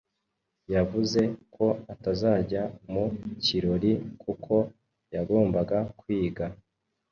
Yavuze ko atazajya mu kirori kuko yagombaga kwiga.